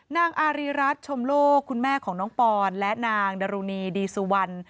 นางอารีรัฐชมโลกคุณแม่ของน้องปอนและนางดรุณีดีสุวรรณ